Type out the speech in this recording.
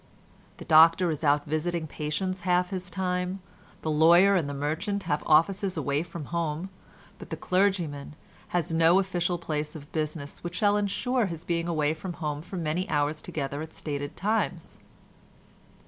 The doctor is out visiting patients half his time: the lawyer and the merchant have offices away from home, but the clergyman has no official place of business which shall ensure his being away from home for many hours together at stated times.